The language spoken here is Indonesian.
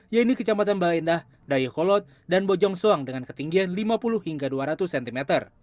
yaitu kecamatan balendah dayakolot dan bojong soang dengan ketinggian lima puluh hingga dua ratus cm